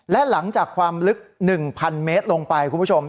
และหลังจากความลึก๑๐๐เมตรลงไปคุณผู้ชม